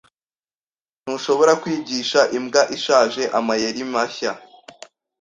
Ntushobora kwigisha imbwa ishaje amayeri mashya.